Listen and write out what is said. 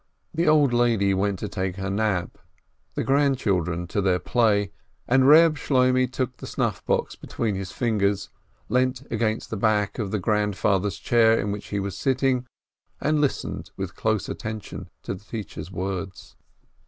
The old lady went to take her nap, the grandchildren to their play, and Reb Shloimeh took the snuff box between his fingers, leant against the back of the "grand father's chair" in which he was sitting, and listened with close attention to the teacher's words.